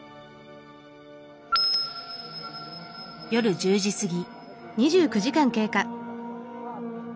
夜１０時過ぎ。